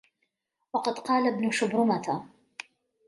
وَقَدْ قَالَ ابْنُ شُبْرُمَةَ